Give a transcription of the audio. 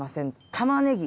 たまねぎ。